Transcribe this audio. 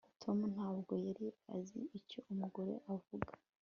Tom ntabwo yari azi icyo umugore avuga